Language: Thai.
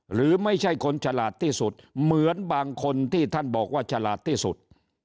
หรือไม่ใช่คนฉลาดที่สุดเหมือนบางคนที่ท่านบอกว่าฉลาดที่สุด